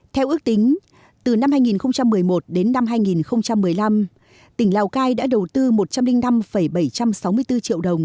theo ước tính từ năm hai nghìn một mươi một đến năm hai nghìn một mươi năm tỉnh lào cai đã đầu tư một trăm linh năm bảy trăm sáu mươi bốn triệu đồng